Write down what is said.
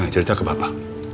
cerita ke papa